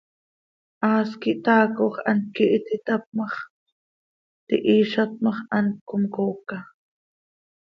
Haas quih taacoj, hant quih iti tap ma x, tihiizat ma x, hant comcooca.